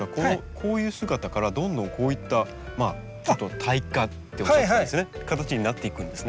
こういう姿からどんどんこういった帯化っておっしゃてった形になっていくんですね。